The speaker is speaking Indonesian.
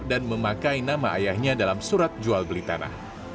dan memakai nama ayahnya dalam surat jual beli tanah